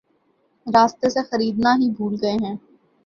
راستے سے خریدنا ہی بھول گئے ہیں